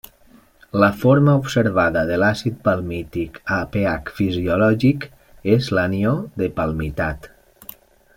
La forma observada de l'àcid palmític a pH fisiològic és l'anió de palmitat.